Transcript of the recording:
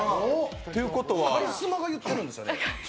カリスマが言っているんですよね。